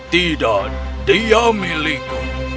tidak dia milikku